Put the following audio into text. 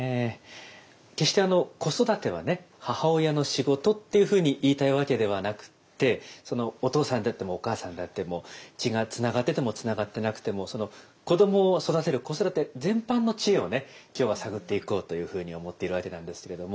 決して子育てはね母親の仕事っていうふうに言いたいわけではなくってお父さんであってもお母さんであっても血がつながっててもつながってなくても子どもを育てる子育て全般の知恵をね今日は探っていこうというふうに思っているわけなんですけれども。